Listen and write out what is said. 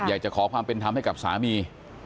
อยากจะขอความเป็นธรรมให้กับสามี